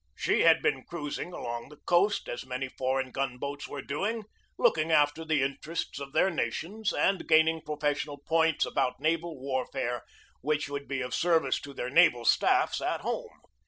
She had been cruising along the coast, as many foreign gun boats were doing, looking after the interests of their nations and gaining professional points about naval warfare which would be of ser vice to their naval staffs at home.